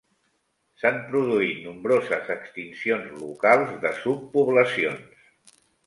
S'han produït nombroses extincions locals de subpoblacions.